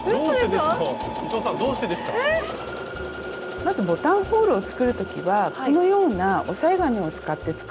まずボタンホールを作る時はこのような押さえ金を使って作るんですね。